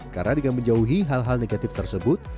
karena dengan menjauhi hal hal negatif tersebut